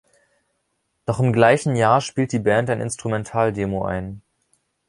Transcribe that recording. Noch im gleichen Jahr spielt die Band ein Instrumental-Demo ein.